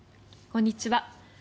こんにちは。